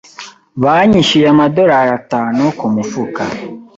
Banyishyuye amadorari atanu kumufuka.